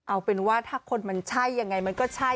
เอาเป็นว่าถ้าคนมันใช่ยังไงมันก็ใช่